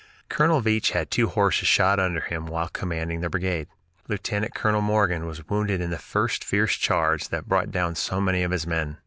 Colonel Veatch had two horses shot under him while commanding the brigade. Lieutenant Colonel Morgan was wounded in the first fierce charge that brought down so many of his men.